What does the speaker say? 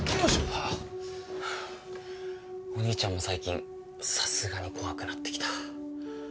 お兄ちゃんも最近さすがに怖くなって来た。